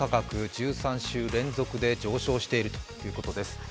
１３週連続で上昇しているということです。